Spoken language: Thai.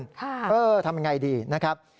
ค่ะค่ะทำยังไงดีนะครับ